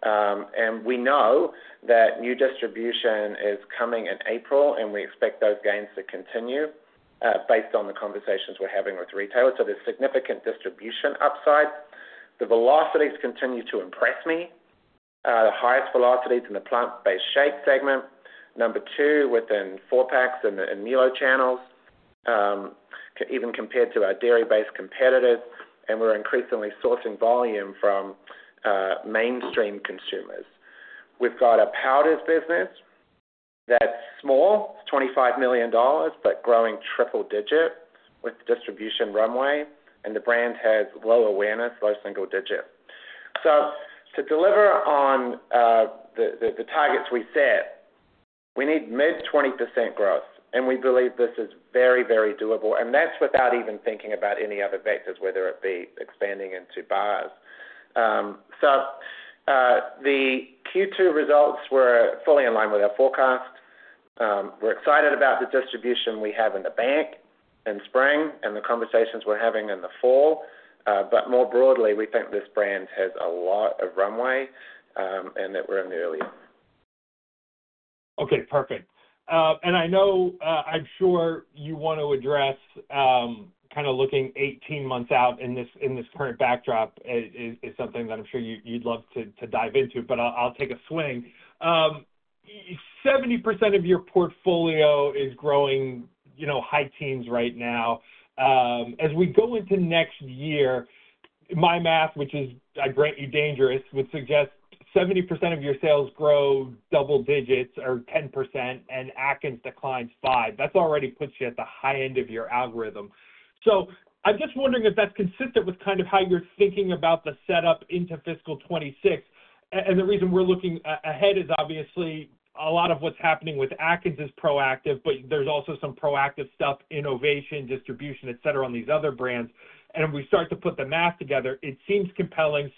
and we know that new distribution is coming in April, and we expect those gains to continue based on the conversations we are having with retailers. There is significant distribution upside. The velocities continue to impress me. The highest velocities in the plant-based shake segment, number two within four-packs and MULO channels, even compared to our dairy-based competitors. We are increasingly sourcing volume from mainstream consumers. We have got a powders business that is small, $25 million, but growing triple-digit with distribution runway, and the brand has low awareness, low single-digit. To deliver on the targets we set, we need mid-20% growth, and we believe this is very, very doable. That is without even thinking about any other vectors, whether it be expanding into bars. The Q2 results were fully in line with our forecast. We are excited about the distribution we have in the bank in spring and the conversations we are having in the fall. More broadly, we think this brand has a lot of runway and that we are in the early. Okay. Perfect. I know I'm sure you want to address kind of looking 18 months out in this current backdrop is something that I'm sure you'd love to dive into, but I'll take a swing. 70% of your portfolio is growing high teens right now. As we go into next year, my math, which is, I grant you, dangerous, would suggest 70% of your sales grow double digits or 10%, and Atkins declines 5%. That already puts you at the high end of your algorithm. I'm just wondering if that's consistent with kind of how you're thinking about the setup into fiscal 2026. The reason we're looking ahead is obviously a lot of what's happening with Atkins is proactive, but there's also some proactive stuff, innovation, distribution, etc., on these other brands. If we start to put the math together, it seems compelling.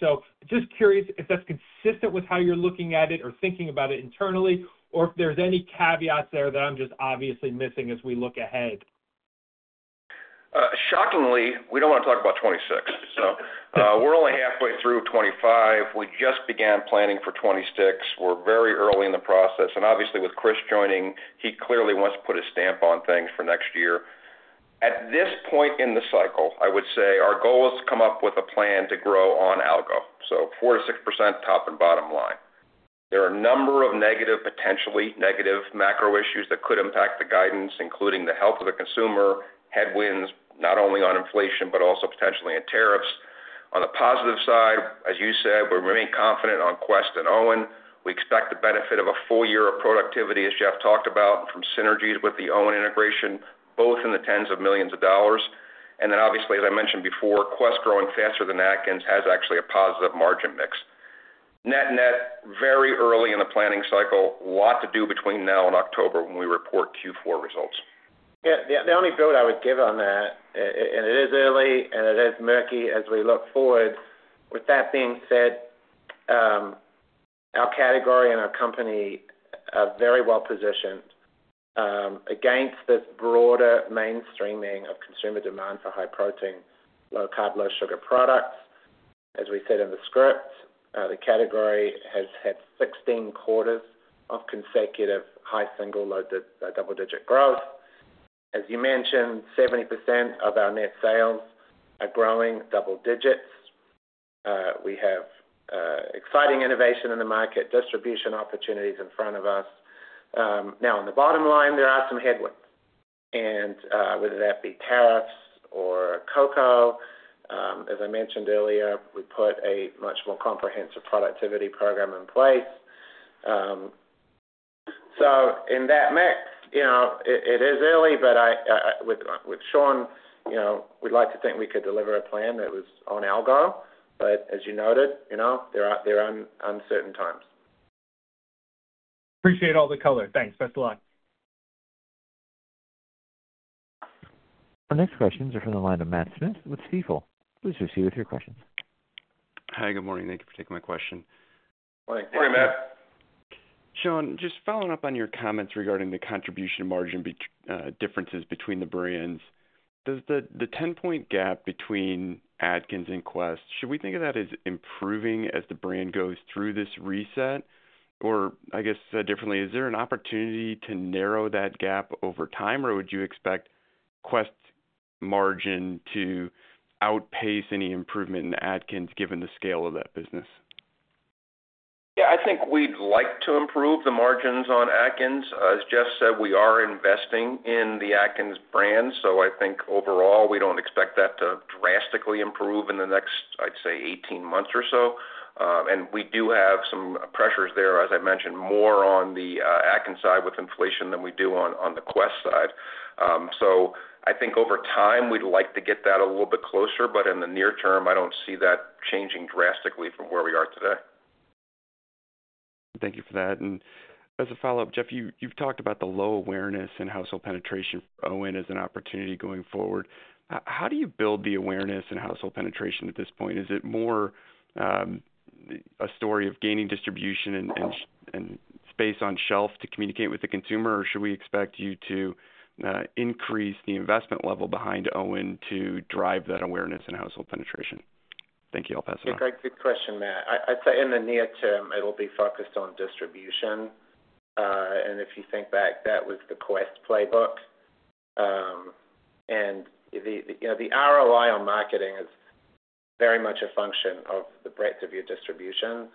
Just curious if that's consistent with how you're looking at it or thinking about it internally, or if there's any caveats there that I'm just obviously missing as we look ahead. Shockingly, we don't want to talk about 2026. We're only halfway through 2025. We just began planning for 2026. We're very early in the process. Obviously, with Chris joining, he clearly wants to put a stamp on things for next year. At this point in the cycle, I would say our goal is to come up with a plan to grow on Algo. So 4%-6% top and bottom line. There are a number of negative, potentially negative macro issues that could impact the guidance, including the health of the consumer, headwinds not only on inflation, but also potentially in tariffs. On the positive side, as you said, we remain confident on Quest and OWYN. We expect the benefit of a full year of productivity, as Geoff talked about, from synergies with the OWYN integration, both in the tens of millions of dollars. Obviously, as I mentioned before, Quest growing faster than Atkins has actually a positive margin mix. Net-net, very early in the planning cycle, a lot to do between now and October when we report Q4 results. Yeah. The only build I would give on that, and it is early and it is murky as we look forward. With that being said, our category and our company are very well positioned against this broader mainstreaming of consumer demand for high protein, low carb, low sugar products. As we said in the script, the category has had 16 quarters of consecutive high single-low, double-digit growth. As you mentioned, 70% of our net sales are growing double digits. We have exciting innovation in the market, distribution opportunities in front of us. Now, on the bottom line, there are some headwinds. Whether that be tariffs or cocoa, as I mentioned earlier, we put a much more comprehensive productivity program in place. In that mix, it is early, but with Shaun, we'd like to think we could deliver a plan that was on algorithm. As you noted, there are uncertain times. Appreciate all the color. Thanks. Best of luck. Our next questions are from the line of Matt Smith with Stifel. Please proceed with your questions. Hi. Good morning. Thank you for taking my question. Morning. Morning, Matt. Shaun, just following up on your comments regarding the contribution margin differences between the brands, the 10-point gap between Atkins and Quest, should we think of that as improving as the brand goes through this reset? Or I guess differently, is there an opportunity to narrow that gap over time, or would you expect Quest's margin to outpace any improvement in Atkins given the scale of that business? Yeah. I think we'd like to improve the margins on Atkins. As Geoff said, we are investing in the Atkins brand. I think overall, we don't expect that to drastically improve in the next, I'd say, 18 months or so. We do have some pressures there, as I mentioned, more on the Atkins side with inflation than we do on the Quest side. I think over time, we'd like to get that a little bit closer. In the near term, I don't see that changing drastically from where we are today. Thank you for that. As a follow-up, Geoff, you've talked about the low awareness and household penetration for OWYN as an opportunity going forward. How do you build the awareness and household penetration at this point? Is it more a story of gaining distribution and space on shelf to communicate with the consumer, or should we expect you to increase the investment level behind OWYN to drive that awareness and household penetration? Thank you, I'll pass it off. Yeah. Great. Good question, Matt. I'd say in the near term, it'll be focused on distribution. If you think back, that was the Quest playbook. The ROI on marketing is very much a function of the breadth of your distribution.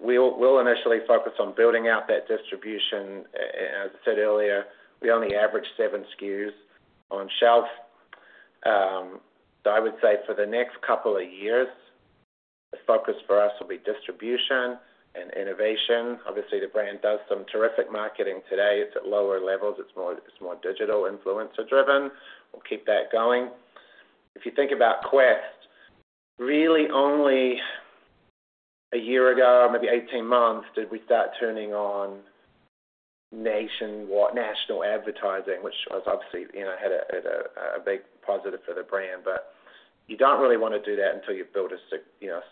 We'll initially focus on building out that distribution. As I said earlier, we only average seven SKUs on shelf. I would say for the next couple of years, the focus for us will be distribution and innovation. Obviously, the brand does some terrific marketing today. It's at lower levels. It's more digital influencer-driven. We'll keep that going. If you think about Quest, really only a year ago, maybe 18 months, did we start turning on national advertising, which was obviously a big positive for the brand. You do not really want to do that until you've built a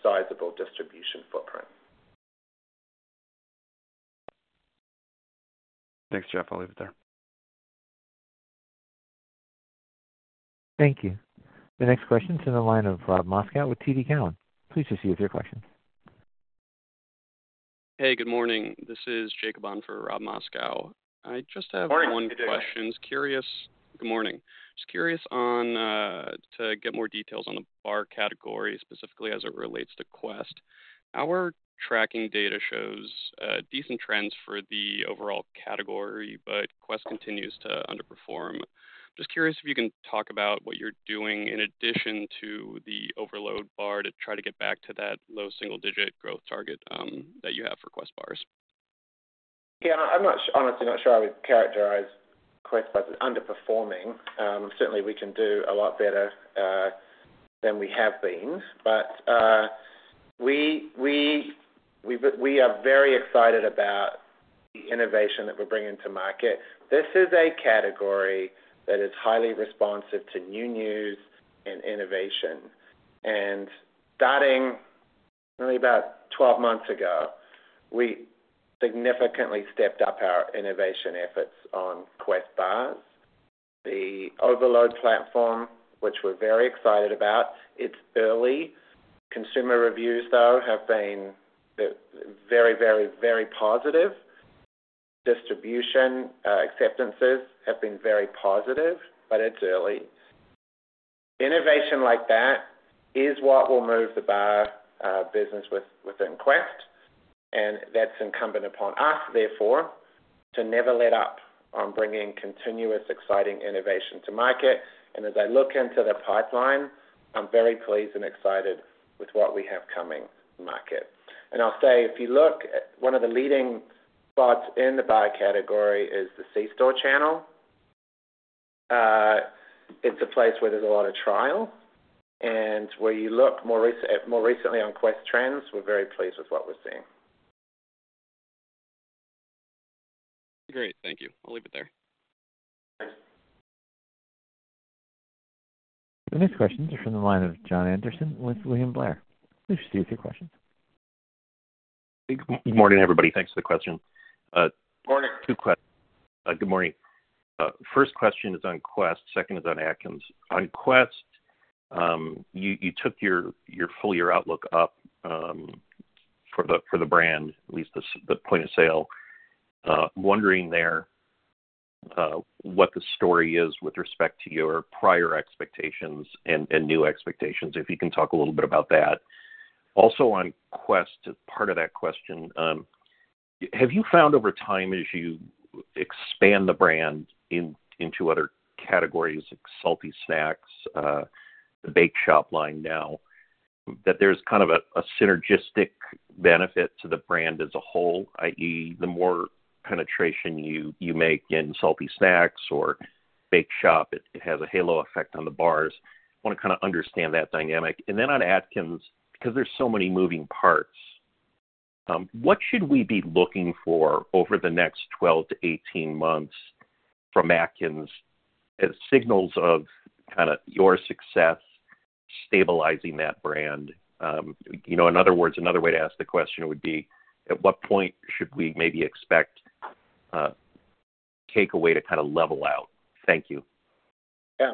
sizable distribution footprint. Thanks, Geoff. I'll leave it there. Thank you. The next question is in the line of Rob Moskow with TD Cowen. Please proceed with your questions. Hey. Good morning. This is Jacob on for Rob Moskow. I just have one question. Good morning. Good morning. Just curious to get more details on the bar category, specifically as it relates to Quest. Our tracking data shows decent trends for the overall category, but Quest continues to underperform. Just curious if you can talk about what you're doing in addition to the Overload bar to try to get back to that low single-digit growth target that you have for Quest bars. Yeah. I'm honestly not sure I would characterize Quest as underperforming. Certainly, we can do a lot better than we have been. We are very excited about the innovation that we're bringing to market. This is a category that is highly responsive to new news and innovation. Starting only about 12 months ago, we significantly stepped up our innovation efforts on Quest bars. The overload platform, which we're very excited about, it's early. Consumer reviews, though, have been very, very, very positive. Distribution acceptances have been very positive, but it's early. Innovation like that is what will move the bar business within Quest. It's incumbent upon us, therefore, to never let up on bringing continuous exciting innovation to market. As I look into the pipeline, I'm very pleased and excited with what we have coming in the market. I'll say if you look, one of the leading spots in the bar category is the c-store channel. It's a place where there's a lot of trial. Where you look more recently on Quest trends, we're very pleased with what we're seeing. Great. Thank you. I'll leave it there. The next questions are from the line of Jon Andersen with William Blair. Please proceed with your questions. Good morning, everybody. Thanks for the question. Good morning. Good morning. First question is on Quest. Second is on Atkins. On Quest, you took your full year outlook up for the brand, at least the point of sale. Wondering there what the story is with respect to your prior expectations and new expectations, if you can talk a little bit about that. Also, on Quest, as part of that question, have you found over time as you expand the brand into other categories like salty snacks, the Bake Shop line now, that there's kind of a synergistic benefit to the brand as a whole, i.e., the more penetration you make in salty snacks or Bake Shop, it has a halo effect on the bars? I want to kind of understand that dynamic. Then on Atkins, because there's so many moving parts, what should we be looking for over the next 12 to 18 months from Atkins as signals of kind of your success stabilizing that brand? In other words, another way to ask the question would be, at what point should we maybe expect takeaway to kind of level out? Thank you. Yeah.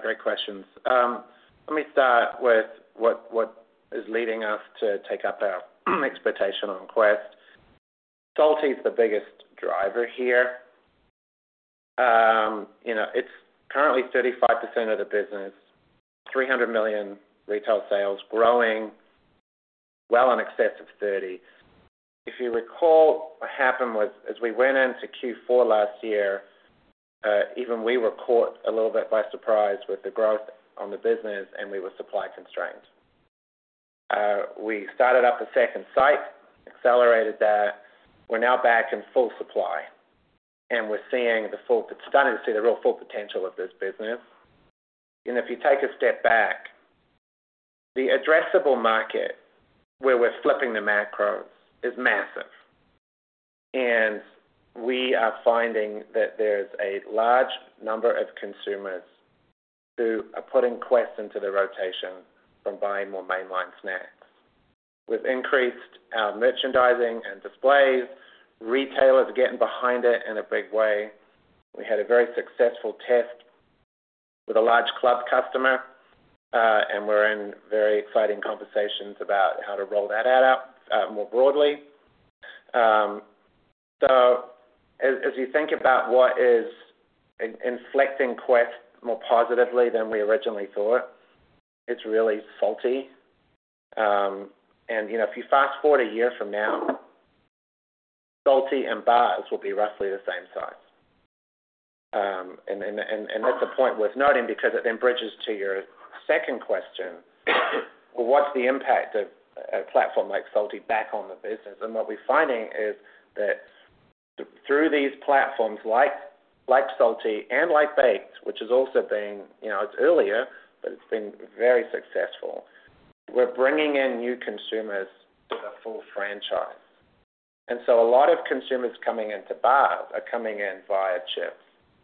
Great questions. Let me start with what is leading us to take up our expectation on Quest. Salty is the biggest driver here. It's currently 35% of the business, $300 million retail sales, growing well in excess of 30%. If you recall, what happened was as we went into Q4 last year, even we were caught a little bit by surprise with the growth on the business, and we were supply constrained. We started up a second site, accelerated that. We're now back in full supply. We're starting to see the real full potential of this business. If you take a step back, the addressable market where we're flipping the macros is massive. We are finding that there's a large number of consumers who are putting Quest into the rotation from buying more mainline snacks. We've increased our merchandising and displays. Retailers are getting behind it in a big way. We had a very successful test with a large club customer, and we're in very exciting conversations about how to roll that out more broadly. As you think about what is inflecting Quest more positively than we originally thought, it's really salty. If you fast forward a year from now, Salty and Bars will be roughly the same size. That's a point worth noting because it then bridges to your second question, what's the impact of a platform like Salty back on the business? What we are finding is that through these platforms like Salty and like Baked, which has also been earlier, but it has been very successful, we are bringing in new consumers to the full franchise. A lot of consumers coming into Bars are coming in via Chips.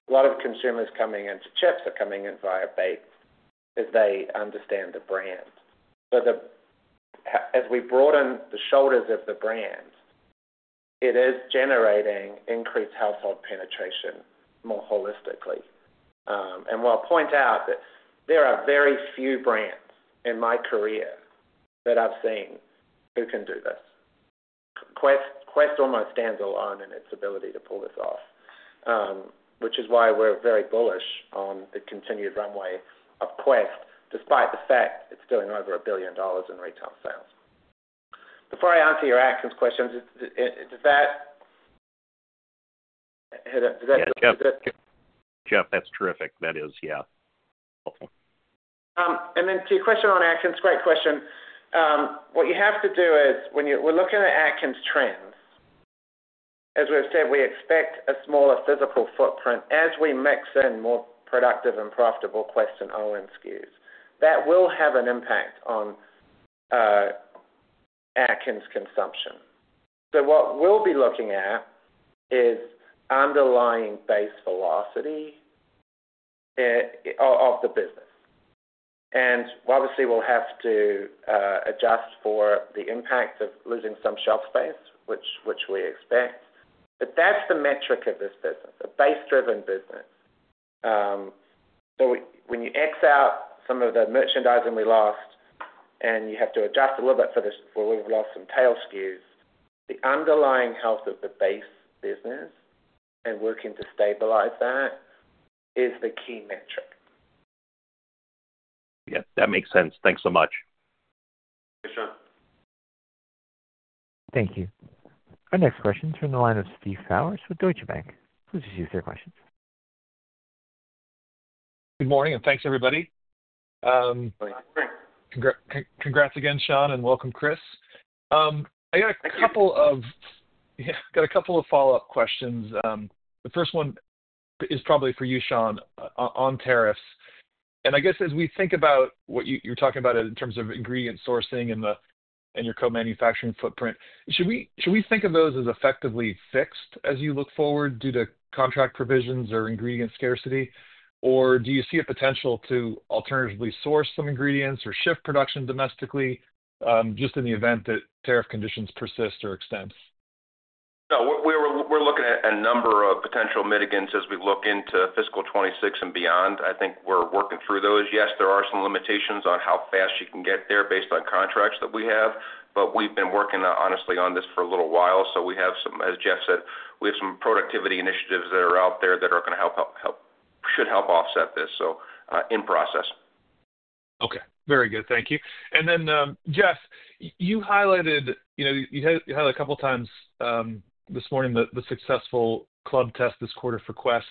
A lot of consumers coming into Chips are coming in via Baked as they understand the brand. As we broaden the shoulders of the brand, it is generating increased household penetration more holistically. I will point out that there are very few brands in my career that I have seen who can do this. Quest almost stands alone in its ability to pull this off, which is why we are very bullish on the continued runway of Quest, despite the fact it is doing over $1 billion in retail sales. Before I answer your Atkins questions, does that—Yep. Yep. Geoff, that is terrific. That is, yeah. Awesome. To your question on Atkins, great question. What you have to do is when we're looking at Atkins trends, as we've said, we expect a smaller physical footprint as we mix in more productive and profitable Quest and OWYN SKUs. That will have an impact on Atkins consumption. What we'll be looking at is underlying base velocity of the business. Obviously, we'll have to adjust for the impact of losing some shelf space, which we expect. That's the metric of this business, a base-driven business. When you X out some of the merchandising we lost, and you have to adjust a little bit for we've lost some tail SKUs, the underlying health of the base business and working to stabilize that is the key metric. Yeah. That makes sense. Thanks so much. Thank you, Jon. Thank you. Our next question is from the line of Steve Powers with Deutsche Bank. Please proceed with your questions. Good morning. Thanks, everybody. Congrats again, Shaun, and welcome, Chris. I got a couple of follow-up questions. The first one is probably for you, Shaun, on tariffs. I guess as we think about what you're talking about in terms of ingredient sourcing and your co-manufacturing footprint, should we think of those as effectively fixed as you look forward due to contract provisions or ingredient scarcity? Or do you see a potential to alternatively source some ingredients or shift production domestically just in the event that tariff conditions persist or extend? No. We're looking at a number of potential mitigants as we look into fiscal 2026 and beyond. I think we're working through those. Yes, there are some limitations on how fast you can get there based on contracts that we have. We have been working honestly on this for a little while. We have some, as Geoff said, we have some productivity initiatives that are out there that are going to help, should help offset this. In process. Okay. Very good. Thank you. Geoff, you highlighted, you highlighted a couple of times this morning the successful club test this quarter for Quest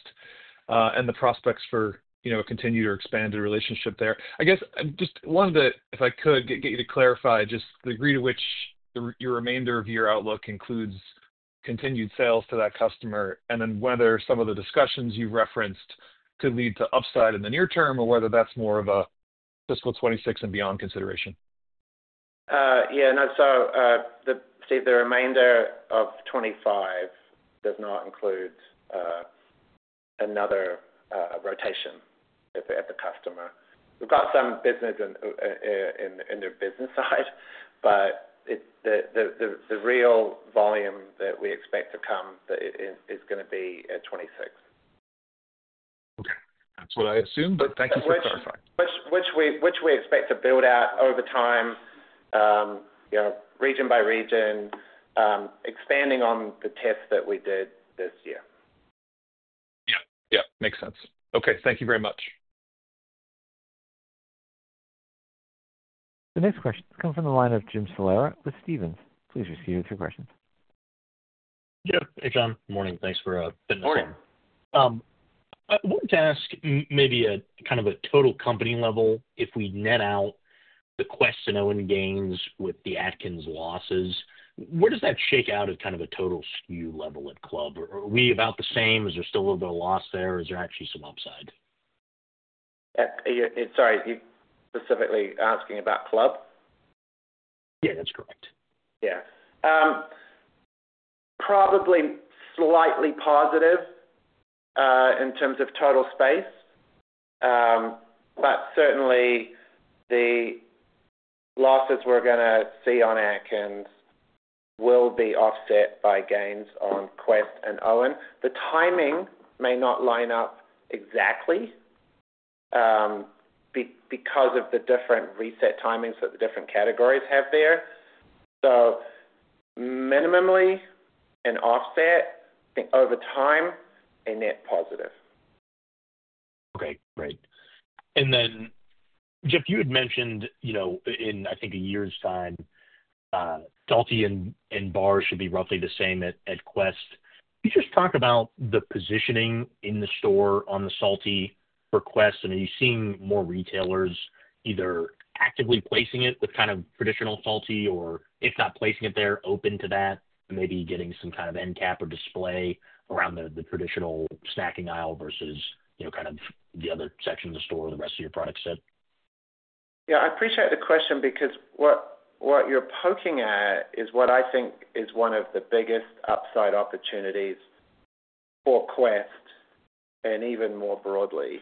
and the prospects for a continued or expanded relationship there. I guess just wanted to, if I could, get you to clarify just the degree to which your remainder of your outlook includes continued sales to that customer and then whether some of the discussions you have referenced could lead to upside in the near term or whether that is more of a fiscal 2026 and beyond consideration. Yeah. I'd say the remainder of 2025 does not include another rotation at the customer. We've got some business in the business side, but the real volume that we expect to come is going to be at 2026. Okay. That's what I assumed, but thank you for clarifying. Which we expect to build out over time, region by region, expanding on the test that we did this year. Yeah. Yeah. Makes sense. Okay. Thank you very much. The next question is coming from the line of Jim Salera with Stephens. Please proceed with your questions. Yeah. Hey, John. Good morning. Thanks for fitting us in. I wanted to ask maybe kind of a total company level, if we net out the Quest and OWYN gains with the Atkins losses, where does that shake out at kind of a total SKU level at Club? Are we about the same? Is there still a little bit of loss there? Is there actually some upside? Sorry. You specifically asking about Club? Yeah. That's correct. Yeah. Probably slightly positive in terms of total space. But certainly, the losses we're going to see on Atkins will be offset by gains on Quest and OWYN. The timing may not line up exactly because of the different reset timings that the different categories have there. Minimally an offset, I think over time, a net positive. Okay. Great. Geoff, you had mentioned in, I think, a year's time, Salty and Bars should be roughly the same at Quest. Can you just talk about the positioning in the store on the Salty for Quest? Are you seeing more retailers either actively placing it with kind of traditional salty or, if not placing it there, open to that, maybe getting some kind of end cap or display around the traditional snacking aisle versus kind of the other section of the store, the rest of your product set? Yeah. I appreciate the question because what you're poking at is what I think is one of the biggest upside opportunities for Quest and even more broadly,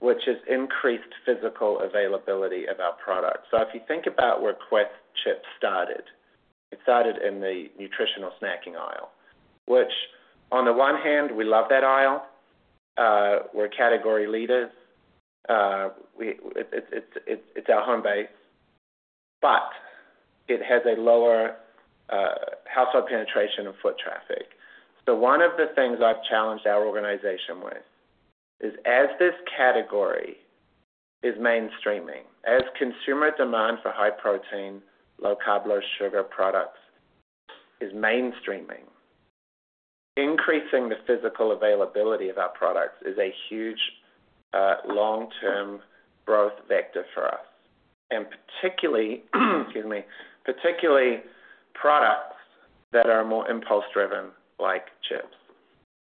which is increased physical availability of our products. If you think about where Quest Chips started, it started in the nutritional snacking aisle, which on the one hand, we love that aisle. We're category leaders. It's our home base. But it has a lower household penetration and foot traffic. One of the things I've challenged our organization with is as this category is mainstreaming, as consumer demand for high protein, low carb, low sugar products is mainstreaming, increasing the physical availability of our products is a huge long-term growth vector for us, and particularly products that are more impulse-driven like Chips.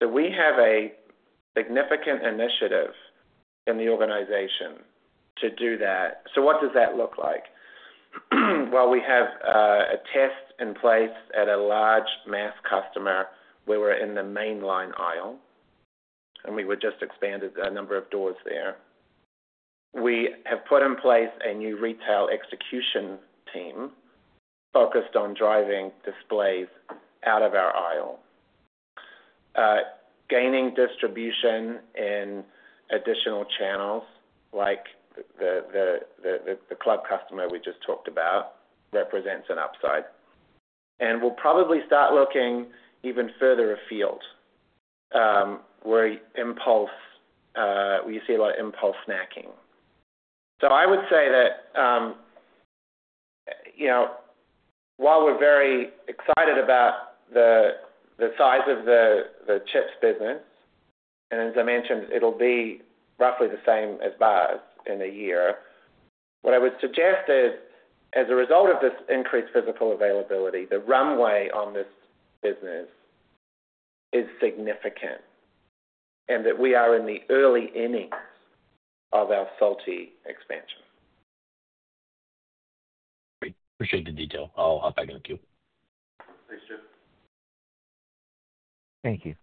We have a significant initiative in the organization to do that. What does that look like? We have a test in place at a large mass customer where we're in the mainline aisle, and we were just expanded a number of doors there. We have put in place a new retail execution team focused on driving displays out of our aisle, gaining distribution in additional channels like the club customer we just talked about represents an upside. We'll probably start looking even further afield where you see a lot of impulse snacking. I would say that while we're very excited about the size of the Chips business, and as I mentioned, it'll be roughly the same as Bars in a year, what I would suggest is as a result of this increased physical availability, the runway on this business is significant and that we are in the early innings of our Salty expansion. Great. Appreciate the detail. I'll hop back in with you. Thanks, Jim. Thank you.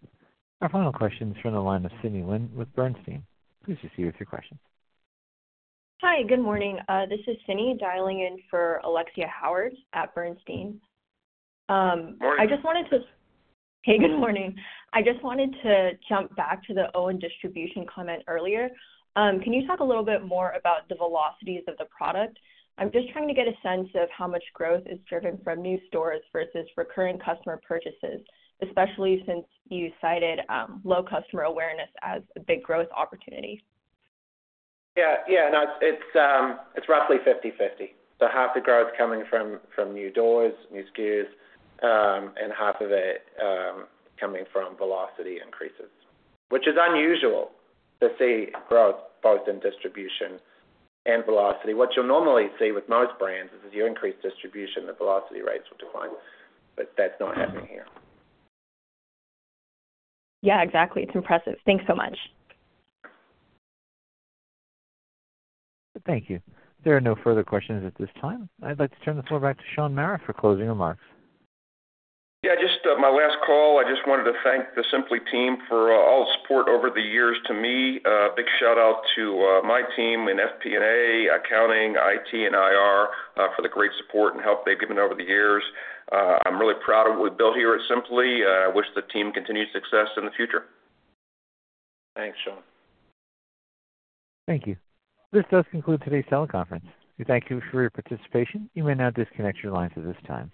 Our final question is from the line of Sydney Lintner with Bernstein. Please proceed with your questions. Hi. Good morning. This is Sydney dialing in for Alexia Howard at Bernstein. Morning. I just wanted to—Hey, good morning. I just wanted to jump back to the OWYN distribution comment earlier. Can you talk a little bit more about the velocities of the product? I'm just trying to get a sense of how much growth is driven from new stores versus recurring customer purchases, especially since you cited low customer awareness as a big growth opportunity. Yeah. Yeah. It's roughly 50/50. Half the growth coming from new doors, new SKUs, and half of it coming from velocity increases, which is unusual to see growth both in distribution and velocity. What you'll normally see with most brands is as you increase distribution, the velocity rates will decline. That's not happening here. Yeah. Exactly. It's impressive. Thanks so much. Thank you. There are no further questions at this time. I'd like to turn the floor back to Shaun Mara for closing remarks. Yeah. Just my last call. I just wanted to thank the Simply team for all the support over the years to me. Big shout-out to my team in FP&A, Accounting, IT, and IR for the great support and help they've given over the years. I'm really proud of what we've built here at Simply. I wish the team continued success in the future. Thanks, Shaun. Thank you. This does conclude today's teleconference. We thank you for your participation. You may now disconnect your lines at this time.